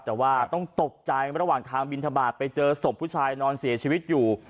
แต่ว่าต้องตกใจระหว่างทางบินทบาทไปเจอศพผู้ชายนอนเสียชีวิตอยู่